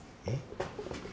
えっ？